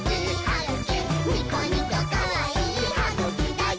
ニコニコかわいいはぐきだよ！」